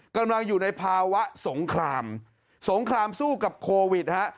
กำลังอยู่ในภาวะสงครามสงครามสู้กับโควิดฮะ